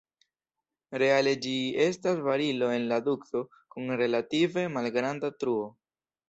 Reale ĝi estas barilo en la dukto kun relative malgranda truo.